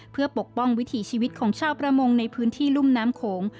เพื่อปกป้องวิถีชีวิตของชาวประมงในพื้นที่รุ่มน้ำโขง